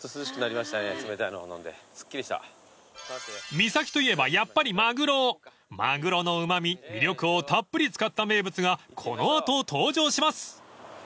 ［三崎といえばやっぱりマグロ］［マグロのうま味魅力をたっぷり使った名物がこのあと登場します］